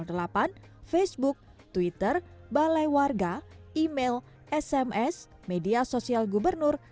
yang dilapor seribu tujuh ratus delapan facebook twitter balai warga email sms media sosial gubernur